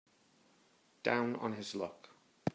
Down on his luck.